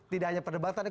tidak hanya perdebatannya